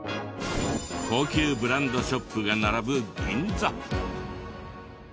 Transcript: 高級ブランドショップが並ぶ銀座。